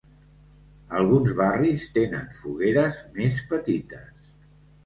Alguns barris tenen fogueres més petites.